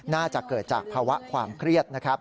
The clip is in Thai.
น่าจะเกิดจากภาวะความเครียด